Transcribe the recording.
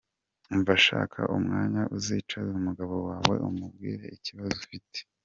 Umva shaka umwanya uzicaze umugabo wawe umubwire ikibazo uft.